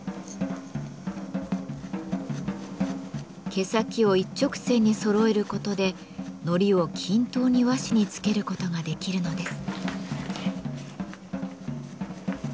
毛先を一直線に揃えることで糊を均等に和紙につけることができるのです。